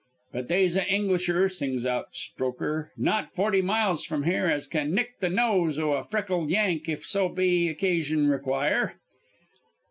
"'But they's a Englisher,' sings out Strokher, 'not forty miles from here as can nick the nose o' a freckled Yank if so be occasion require.'